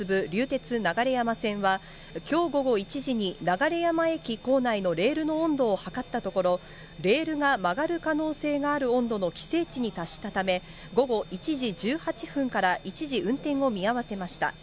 鉄流山線は、きょう午後１時に流山駅構内のレールの温度を測ったところ、レールが曲がる可能性がある温度の規制値に達したため、午後１時１８分から一時、運転を見合わせました。